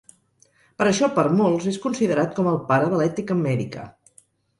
Per això per molts és considerat com el pare de l'ètica mèdica.